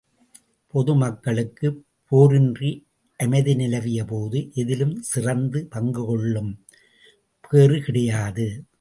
பொதுமக்களுக்குப் போரின்றி அமைதி நிலவிய போது, எதிலும் சிறந்த பங்குகொள்ளும் பேறு கிடையாது.